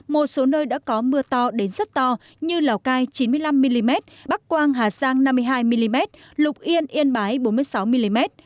một số nơi đã có mưa to đến rất to như lào cai chín mươi năm mm bắc quang hà giang năm mươi hai mm lục yên yên bái bốn mươi sáu mm